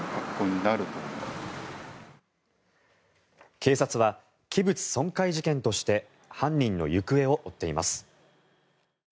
警察は器物損壊事件として犯人の行方を追っています。